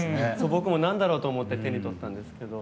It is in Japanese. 僕もなんだろうと思って手に取ったんですけど。